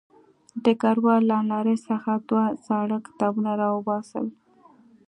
ډګروال له المارۍ څخه دوه زاړه کتابونه راوباسل